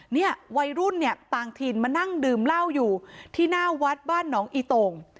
เนี่ยวัยรุ่นเนี่ยต่างถิ่นมานั่งดื่มเหล้าอยู่ที่หน้าวัดบ้านหนองอีโต่ง